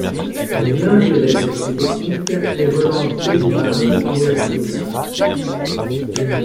L'intérêt pour ces techniques est relancé par le power to gas.